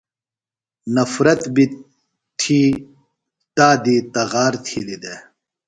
نفرت بیۡ تھی تائی دی تغار تِھیلیۡ دےۡ۔